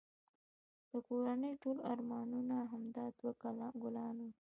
د کورنی ټول ارمانونه همدا دوه ګلان وه